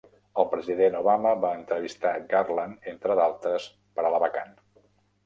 El president Obama va entrevistar Garland, entre d'altres, per a la vacant.